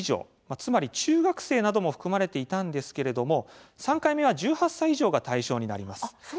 つまり中学生なども含まれていたんですけれども３回目は１８歳以上が対象になります。